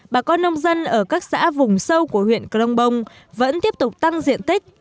bà con nông dân ở các xã vùng sâu của huyện crompong vẫn tiếp tục tăng diện tích